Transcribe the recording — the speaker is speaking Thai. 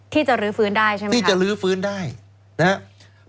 ที่จะรื้อฟื้นได้ใช่ไหมที่จะลื้อฟื้นได้นะครับ